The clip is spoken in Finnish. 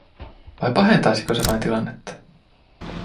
Vai pahentaisiko se vain tilannetta?